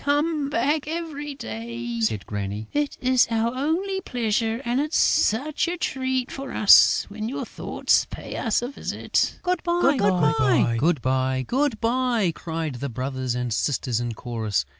"Come back every day!" said Granny. "It is our only pleasure; and it's such a treat for us when your thoughts pay us a visit!" "Good bye! Good bye!" cried the brothers and sisters in chorus.